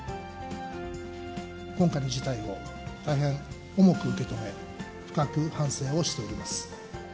今回の事態を大変重く受け止め、深く反省をしております。